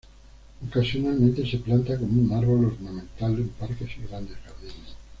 Ocasionalmente se planta como un árbol ornamental en parques y grandes jardines.